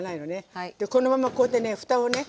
このままこうやってねふたをね